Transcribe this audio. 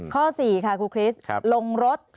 ข้อ๔ค่ะครูคริสลงรถ